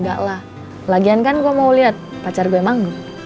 gak lah lagian kan gue mau liat pacar gue manggung